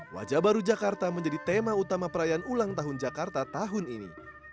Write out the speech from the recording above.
wajah baru jakarta menjadi tema utama perayaan ulang tahun jakarta tahun ini